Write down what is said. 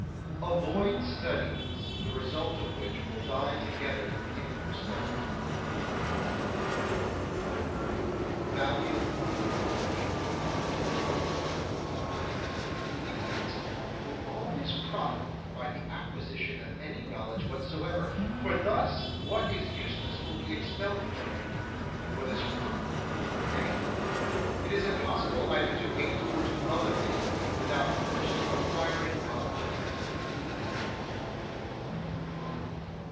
6. Avoid studies the result of which will die together with him who studied. [Sidenote: Value of Knowledge] 7. The intellect will always profit by the acquisition of any knowledge whatsoever, for thus what is useless will be expelled from it, and what is fruitful will remain. It is impossible either to hate or to love a thing without first acquiring knowledge of it.